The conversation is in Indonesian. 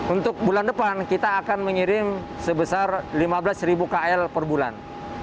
untuk bulan depan kita akan mengirim sebesar lima belas ribu kl per bulan